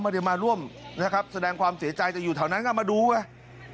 ไม่ได้มาร่วมนะครับแสดงความเสียใจแต่อยู่แถวนั้นก็มาดูไง